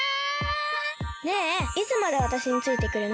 ねえいつまでわたしについてくるの？